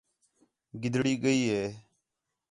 گِدڑی ڳئی ہِے